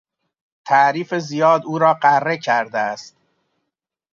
تعریف زیاد او را غره کرده است.